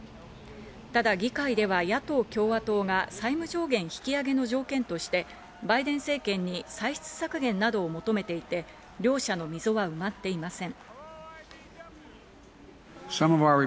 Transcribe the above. ただ議会では野党・共和党が債務上限引き上げの条件としてバイデン政権に歳出削減などを求めていて、両者の溝は埋まっていません。